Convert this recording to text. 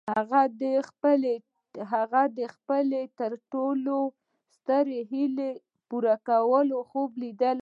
هغه د خپلې تر ټولو سترې هيلې د پوره کولو خوب ليده.